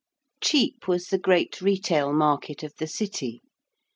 Chepe was the great retail market of the City.